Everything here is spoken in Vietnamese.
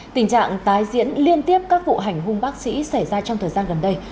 tình trạng tái diễn liên tiếp các vụ hành hung bác sĩ xảy ra trong thời gian gần đây